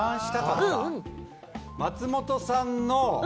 松本さんの？